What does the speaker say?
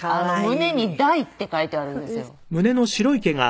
胸に「大」って書いてあるんですよ漢字で。